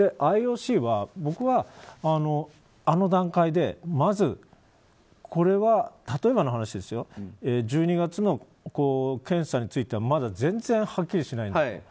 ＩＯＣは僕はあの段階でまず、例えばの話ですが１２月の検査についてはまだ全然はっきりしない。